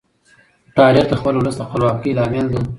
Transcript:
تاریخ د خپل ولس د خپلواکۍ لامل دی.